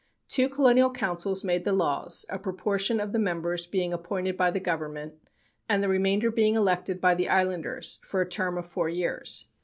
Two colonial councils made the laws, a proportion of the members being appointed by the Government, and the remainder being elected by the islanders for a term of four years.